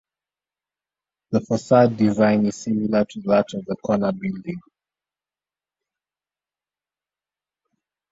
The facade design is similar to that of the corner building.